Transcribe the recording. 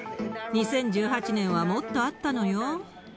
２０１８年はもっとあったのよ。